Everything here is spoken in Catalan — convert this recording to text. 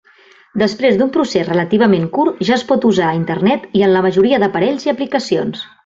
Després un procés relativament curt ja es pot usar a Internet i en la majoria d'aparells i aplicacions.